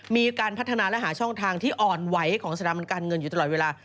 มีการพัฒนาและหาช่องทางที่อ่อนไหวของสถาบันการเงินอยู่ตลอดเวลา